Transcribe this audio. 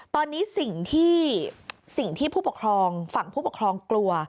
ตอนนี้สิ่งที่สิ่งที่ผู้ปกครองฝั่งผู้ปกครองกลัว